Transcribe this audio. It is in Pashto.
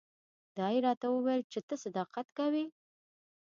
دا یې راته وویل چې ته صداقت کوې.